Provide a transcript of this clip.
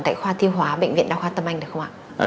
tại khoa tiêu hóa bệnh viện đa khoa tâm anh được không ạ